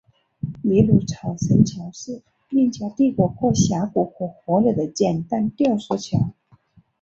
秘鲁草绳桥是印加帝国过峡谷和河流的简单吊索桥。